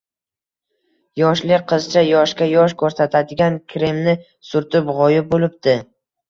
yoshli qizcha, yoshga yosh ko'rsatadigan kremni surtib, g'oyib bo'libdi!